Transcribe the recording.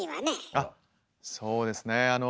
あっそうですねあの。